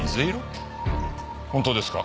本当ですか？